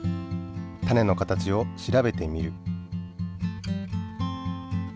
種の形を調べてみる。